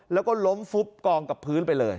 แล้วก็ล้มฟุบกองกับพื้นไปเลย